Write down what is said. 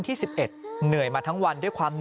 ทิลลิทิลลิโรงหลัก